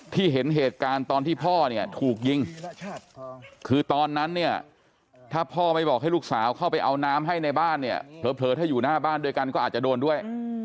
เห็นเหตุการณ์ตอนที่พ่อเนี่ยถูกยิงคือตอนนั้นเนี่ยถ้าพ่อไม่บอกให้ลูกสาวเข้าไปเอาน้ำให้ในบ้านเนี่ยเผลอถ้าอยู่หน้าบ้านด้วยกันก็อาจจะโดนด้วย